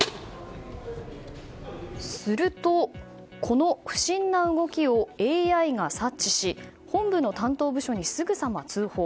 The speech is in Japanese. すると、この不審な動きをＡＩが察知し本部の担当部署にすぐさま通報。